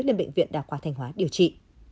lên bệnh viện đa khoa thanh hóa điều trị